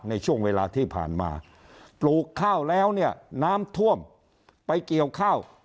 ในช่วงเวลาที่ผ่านมาปลูกข้าวแล้วเนี่ยน้ำท่วมไปเกี่ยวข้าว